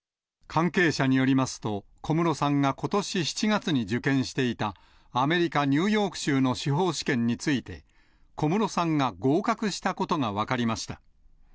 関係者によりますと、小室さんがことし７月に受験していたアメリカ・ニューヨーク州の司法試験について、小室さんが合格したことが分かりました。